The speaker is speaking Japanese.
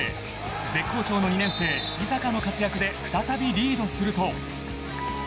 絶好調の２年生、井坂の活躍で再び、リードすると。